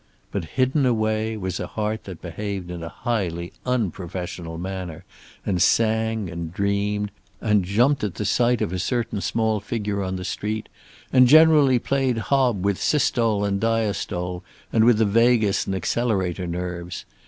But hidden away was a heart that behaved in a highly unprofessional manner, and sang and dreamed, and jumped at the sight of a certain small figure on the street, and generally played hob with systole and diastole, and the vagus and accelerator nerves.